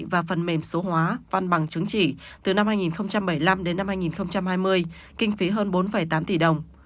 và phần mềm số hóa văn bằng chứng chỉ từ năm hai nghìn bảy mươi năm đến năm hai nghìn hai mươi kinh phí hơn bốn tám tỷ đồng